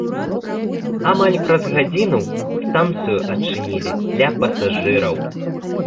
Амаль праз гадзіну станцыю адчынілі для пасажыраў.